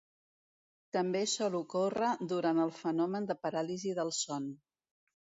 També sol ocórrer durant el fenomen de paràlisi del son.